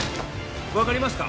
分かりますか！？